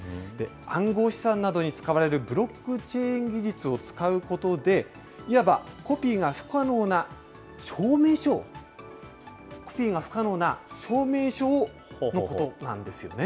暗号資産などに使われるブロックチェーン技術を使うことで、いわば、コピーが不可能な証明書を、コピーが不可能な証明書のことなんですよね。